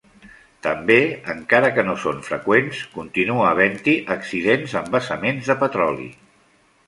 També, encara que no són freqüents, continua havent-hi accidents amb vessaments de petroli.